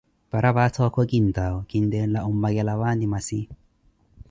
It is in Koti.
Paraphato okhu kinttaawo kinttela ommakela paani masi?